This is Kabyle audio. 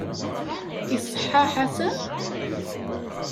Iṣeḥḥa Ḥasan?